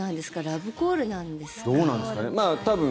ラブコールなんですか。